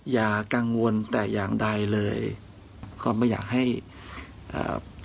อย่ากังวลแต่อย่างใดเลยก็ไม่อยากให้เอ่อ